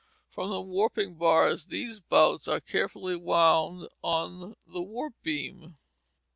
From the warping bars these bouts are carefully wound on the warp beam.